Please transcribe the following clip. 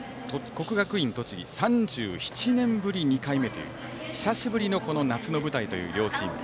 国学院栃木３７年ぶり２回目という久しぶりの夏の舞台という両チーム。